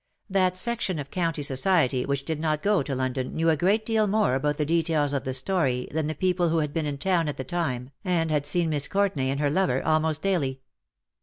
That section of county society wbich did not go to London knew a great deal more about the details of the story than the people who had been in town at the time and had seen Miss Courtenay and her lover almost daily.